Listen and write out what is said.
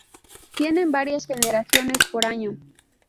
Tienen varias generaciones por año.